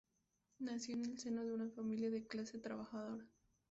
Nació en el seno de una familia de clase trabajadora.